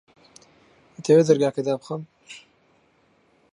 دەتەوێت دەرگاکە دابخەم؟